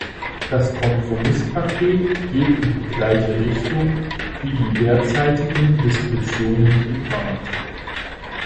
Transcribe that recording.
Das Kompromisspaket geht in die gleiche Richtung wie die derzeitigen Diskussionen im Rat.